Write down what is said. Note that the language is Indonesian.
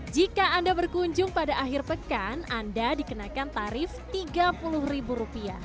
jika anda berkunjung pada akhir pekan anda dikenakan tarif rp tiga puluh